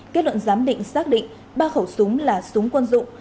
kết luận giám định xác định ba khẩu súng là súng quân dụng